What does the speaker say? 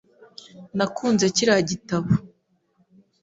Nakunze kiriya gitabo .